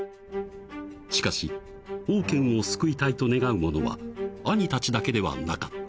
［しかしオウケンを救いたいと願う者は兄たちだけではなかった］